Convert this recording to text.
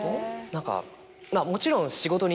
何かまぁもちろん。